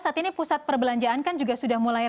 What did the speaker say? saat ini pusat perbelanjaan kan juga sudah mulai